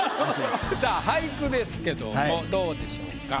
さあ俳句ですけどもどうでしょうか？